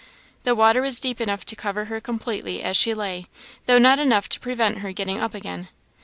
The water was deep enough to cover her completely as she lay, though not enough to prevent her getting up again.